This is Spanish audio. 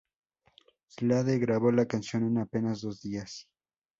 Slade grabó la canción en apenas dos días.